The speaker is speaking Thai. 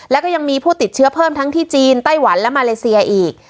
แล้วก็ยังมีผู้ติดเชื้อเพิ่มทั้งที่จีนไต้หวันและมาเลเซียอีก